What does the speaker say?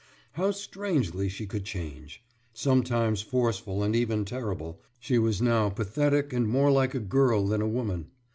« How strangely she could change! Sometimes forceful and even terrible, she was now pathetic and more like a girl than a woman.